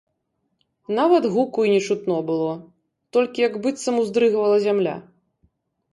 Нават гуку і не чутно было, толькі як быццам уздрыгвала зямля.